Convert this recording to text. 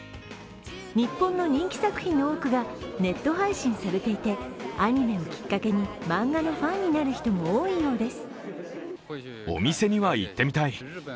日本の人気作品の多くがネット配信されていて、アニメをきっかけに漫画のファンになる人も多いようです。